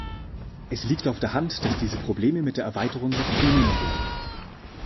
Es liegt auf der Hand, dass diese Probleme mit der Erweiterung noch zunehmen werden.